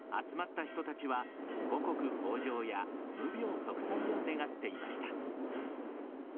集まった人たちは、五穀豊穣や無病息災を願っていました。